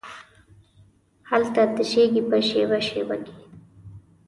هلته تشېږې په شیبه، شیبه کې